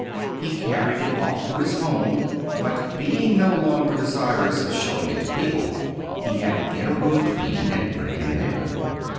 He carried it off home, but being no longer desirous of showing it to people, he had an inner room cleaned and put it in there.